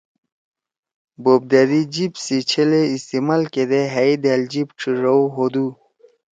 بوپدأدی جیِب سے سی چھلے استعمال کیدے ہأئے دأل جیِب ڇھیِڙَؤ ہودُو۔